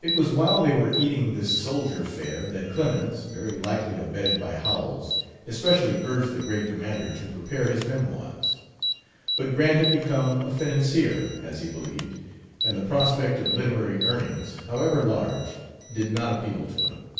It was while they were eating this soldier fare that Clemens very likely abetted by Howells especially urged the great commander to prepare his memoirs. But Grant had become a financier, as he believed, and the prospect of literary earnings, however large, did not appeal to him.